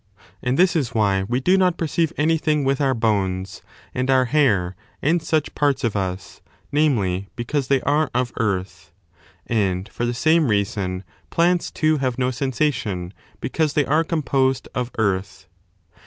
And this is why we do not perceive anything with our bones and our hair and such parts of us, namely, because they are of earth. And for the same reason plants, too, have no sensation, because they are composed of earth.